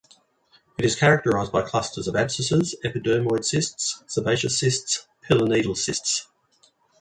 It is characterized by clusters of abscesses, epidermoid cysts, sebaceous cysts, pilonidal cysts.